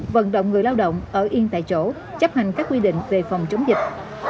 vận động người lao động ở yên tại chỗ chấp hành các quy định về phòng chống dịch